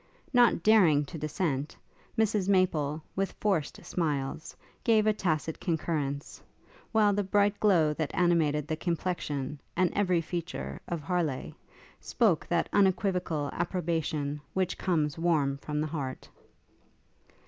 Not daring to dissent, Mrs Maple, with forced smiles, gave a tacit concurrence; while the bright glow that animated the complexion, and every feature, of Harleigh, spoke that unequivocal approbation which comes warm from the heart.